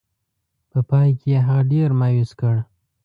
په پای کې یې هغه ډېر مایوس کړ.